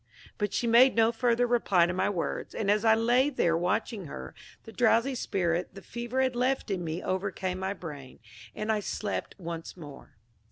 But she made no further reply to my words; and as I lay there watching her, the drowsy spirit the fever had left in me overcame my brain, and I slept once more.